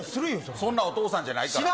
そんなお父さんじゃないから。